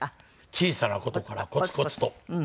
『小さなことからコツコツと』。